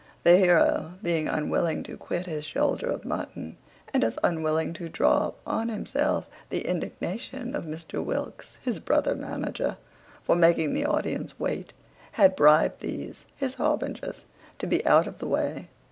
The heroe, being unwilling to quit his shoulder of mutton, and as unwilling to draw on himself the indignation of Mr Wilks (his brother manager) for making the audience wait, had bribed these his harbingers to be out of the way.